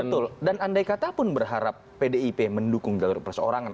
betul dan andai kata pun berharap pdip mendukung jalur perseorangan